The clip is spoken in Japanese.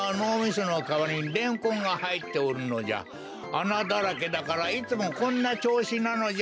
あなだらけだからいつもこんなちょうしなのじゃ。